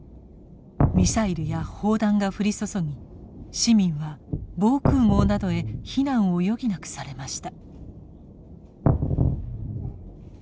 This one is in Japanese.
ミサイルや砲弾が降り注ぎ市民は防空壕などへ避難を余儀なくされました。